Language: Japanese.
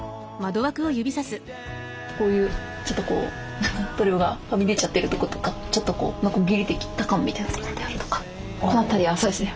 こういうちょっと塗料がはみ出ちゃってるとことかちょっとこうノコギリで切った感みたいなところであるとかこの辺りはそうですね